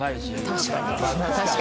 確かに。